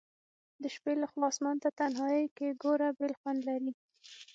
د شپي لخوا آسمان ته تنهائي کي ګوره بیل خوند لري